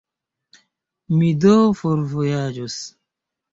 Mi do forvojaĝos.